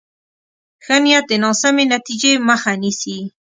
ښه نیت د ناسمې نتیجې مخه نیسي.